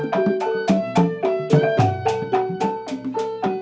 terima kasih banyak mbak pak